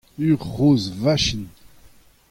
ur c'hozh vachin.